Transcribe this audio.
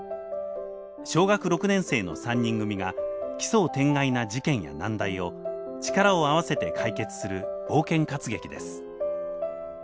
小学６年生の三人組が奇想天外な事件や難題を力を合わせて解決する冒険活劇です。